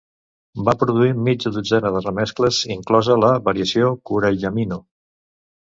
Va produir mitja dotzena de remescles, inclosa la "variació Kurayamino".